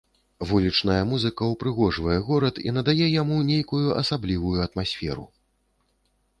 Вулічная музыка ўпрыгожвае горад і надае яму нейкую асаблівую атмасферу.